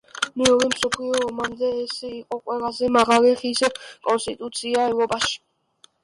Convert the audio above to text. მეორე მსოფლიო ომამდე ეს იყო ყველაზე მაღალი ხის კონსტრუქცია ევროპაში.